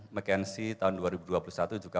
mckense tahun dua ribu dua puluh satu juga